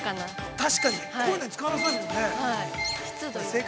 ◆確かに、こういうのつかわなさそうだもんね。